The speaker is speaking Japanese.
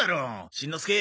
しんのすけ！